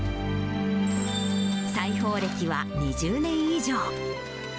裁縫歴は２０年以上。